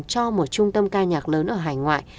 cho một trung tâm ca nhạc lớn ở hải ngoại